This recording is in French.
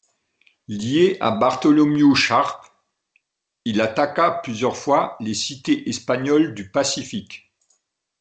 Lié à Bartholomew Sharp il attaqua plusieurs fois les cités espagnoles du Pacifique.